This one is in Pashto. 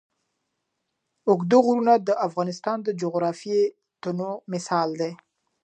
اوږده غرونه د افغانستان د جغرافیوي تنوع مثال دی.